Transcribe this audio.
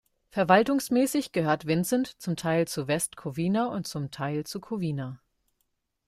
Verwaltungsmäßig gehört Vincent zum Teil zu West Covina und zum Teil zu Covina.